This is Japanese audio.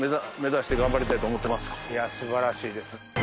素晴らしいです。